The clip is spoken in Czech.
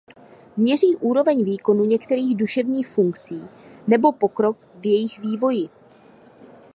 Měří úroveň výkonu některých duševních funkcí nebo pokrok v jejich vývoji.